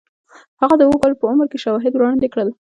هغه د اوو کالو په عمر کې شواهد وړاندې کړل